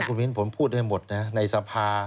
คุณวิทย์ผมพูดได้หมดนะในสภา